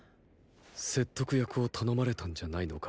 説得役を頼まれたんじゃないのか？